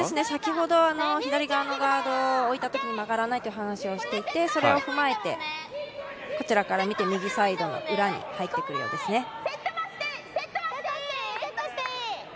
先ほど左側のガードを置いたときに曲がらないという話をしていてそれを踏まえてこちらから見て右サイド、裏に入ってくるようですね。